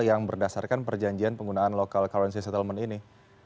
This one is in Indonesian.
yang berdasarkan perjanjian penggunaan local currency settlement ini